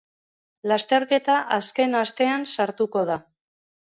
Lasterketa azken astean sartuko da.